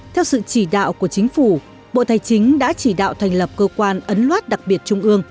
theo sự chỉ đạo của chính phủ bộ tài chính đã chỉ đạo thành lập cơ quan ấn loát đặc biệt trung ương